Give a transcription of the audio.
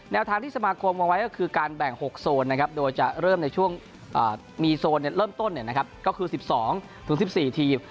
ทางที่สมาคมวางไว้ก็คือการแบ่ง๖โซนนะครับโดยจะเริ่มในช่วงมีโซนเริ่มต้นก็คือ๑๒๑๔ทีม